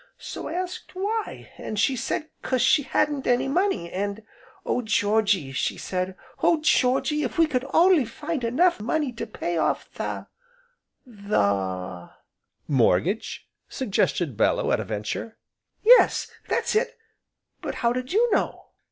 So I asked why, an' she said ''cause she hadn't any money,' an' 'Oh Georgy!' she said, 'oh Georgy, if we could only find enough money to pay off the the '" "Mortgage?" suggested Bellew, at a venture. "Yes, that's it, but how did you know?"